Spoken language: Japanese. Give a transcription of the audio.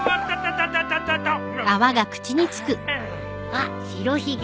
わっ白ひげ。